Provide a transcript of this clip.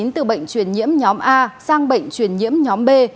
từ bệnh truyền nhiễm nhóm a sang bệnh truyền nhiễm nhóm b